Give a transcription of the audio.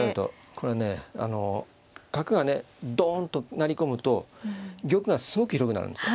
これね角がねドーンと成り込むと玉がすごく広くなるんですよ。